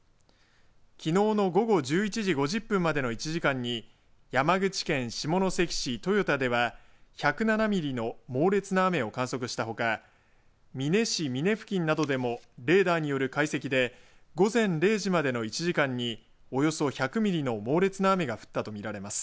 きのうの午後１１時５０分までの１時間に山口県下関市豊田では１０７ミリの猛烈な雨を観測したほか美祢市美祢付近などでもレーダーによる解析で午前０時までの１時間におよそ１００ミリの猛烈な雨が降ったと見られます。